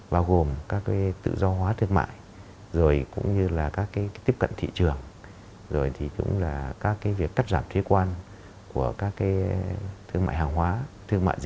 bao gồm các tự do hóa thương mại rồi cũng như là các cái tiếp cận thị trường rồi thì cũng là các việc cắt giảm thuế quan của các thương mại hàng hóa thương mại dịch vụ